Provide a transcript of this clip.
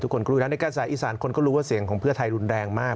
คนก็รู้นะในกระแสอีสานคนก็รู้ว่าเสียงของเพื่อไทยรุนแรงมาก